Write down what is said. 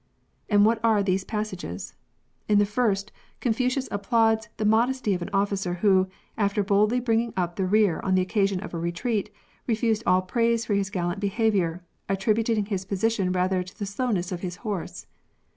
And what are these passages ? In the first, Confucius ap23lauds the modesty of an officer who, after boldly bringing up the rear on the occasion of a retreat, refused all praise for his gallant behaviour, attributing his position rather to the slowness of his horse.